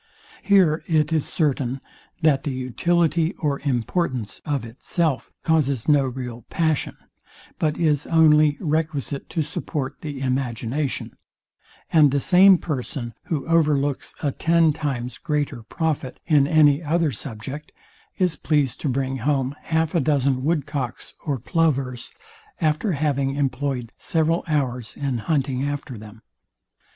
Here it is certain, that the utility or importance of itself causes no real passion, but is only requisite to support the imagination; and the same person, who over looks a ten times greater profit in any other subject, is pleased to bring home half a dozen woodcocks or plovers, after having employed several hours in hunting after them.